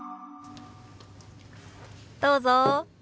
どうぞ。